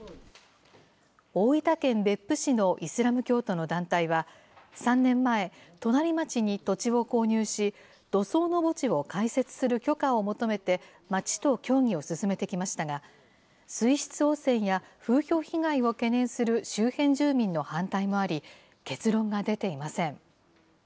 大分県別府市のイスラム教徒の団体は、３年前、隣町に土地を購入し、土葬の墓地を開設する許可を求めて町と協議を進めてきましたが、水質汚染や風評被害を懸念する周辺住民の反対もあり、結論が出ていません。